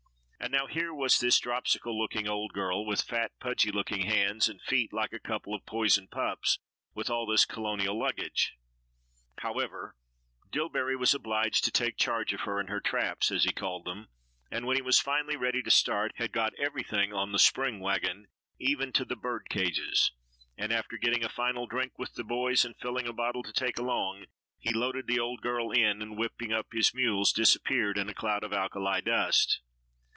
And now here was this dropsical looking old girl, with fat, pudgy looking hands and feet like a couple of poisoned pups, with all this colonial luggage. However, Dillbery was obliged to take charge of her and her traps, as he called them, and when he was finally ready to start, had got everything on the spring wagon, even to the bird cages, and after getting a final drink with the boys and filling a bottle to take along, he loaded the old girl in and whipping up his mules, disappeared in a cloud of alkali dust.